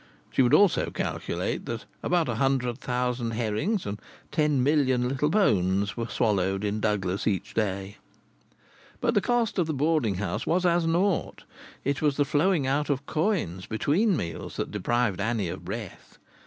She would also calculate that about a hundred thousand herrings and ten million little bones were swallowed in Douglas each day. But the cost of the boarding house was as naught. It was the flowing out of coins between meals that deprived Annie of breath.